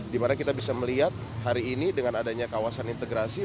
dimana kita bisa melihat hari ini dengan adanya kawasan integrasi